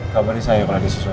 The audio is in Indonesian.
kabarnya saya pak